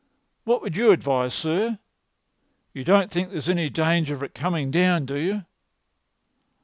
"What would you advise, sir? You don't think there's any danger of it coming down, do you?"